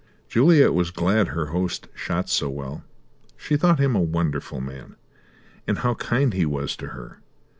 Juliet was glad her host shot so well. She thought him a wonderful man. And how kind he was to her.